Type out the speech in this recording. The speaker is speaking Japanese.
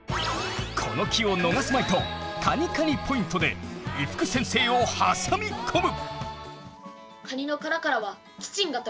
この気を逃すまいとカニカニポイントで伊福先生を挟み込む！